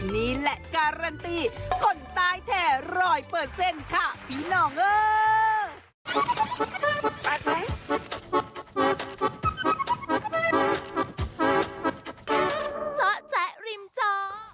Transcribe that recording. นี่แหละการันตีคนตายแถ่ร้อยเปิดเส้นค่ะพี่นองเอ้อ